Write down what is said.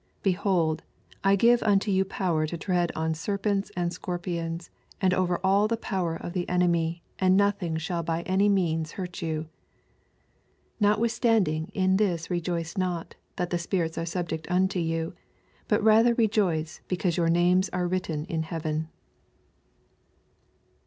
19 BehoM, I give nnto you power to tread on serpents and scorpions, and over all the power of the enemy and nothing shall by any means huH yon. 20 Notwithstanding in this rejoice not, that the spirits are snbject nnto you ; but rather rejoice, because your names are written m heaven.